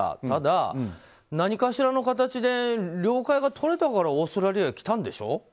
ただ、何かしらの形で了解が取れたからオーストラリアに来たんでしょ。